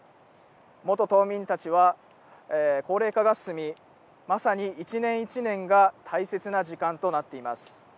元島民たちは高齢化が進み、まさに一年一年が大切な時間となっています。